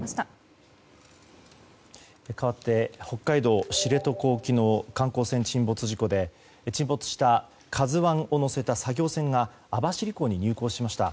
かわって、北海道知床沖の観光船沈没事故で沈没した「ＫＡＺＵ１」を載せた作業船が網走港に入港しました。